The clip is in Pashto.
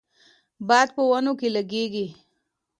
باد په ونو کې لګیږي.